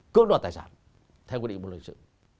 cướp đoàn tài sản theo quy định bộ lực lượng sự